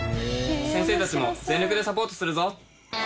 先生たちも全力でサポートするぞ！